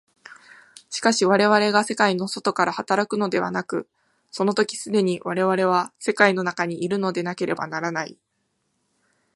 しかし我々が世界の外から働くのではなく、その時既に我々は世界の中にいるのでなければならない。